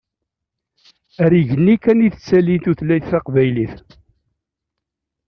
Ar igenni kan i tettali tutlayt taqbaylit.